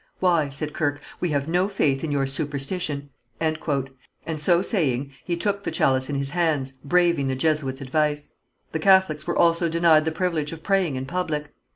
"Why," said Kirke, "we have no faith in your superstition," and so saying he took the chalice in his hands, braving the Jesuit's advice. The Catholics were also denied the privilege of praying in public.